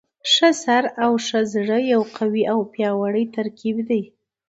ښه سر او ښه زړه یو قوي او پیاوړی ترکیب دی.